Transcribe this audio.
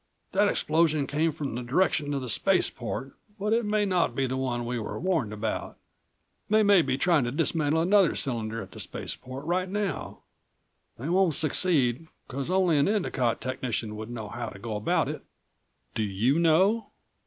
That explosion came from the direction of the spaceport, but it may not be the one we were warned about. They may be trying to dismantle another cylinder at the spaceport right now. They won't succeed, because only an Endicott technician would know how to go about it." "Do you know?"